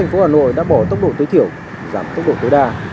thành phố hà nội đã bỏ tốc độ tối thiểu giảm tốc độ tối đa